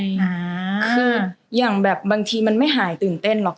คืออย่างแบบบางทีมันไม่หายตื่นเต้นหรอก